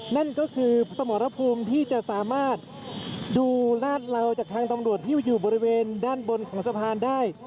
นั่นก็คือสมรภูมิที่จะสามารถดูลาดเหลาจากทางตำรวจที่อยู่บริเวณด้านบนของสะพานได้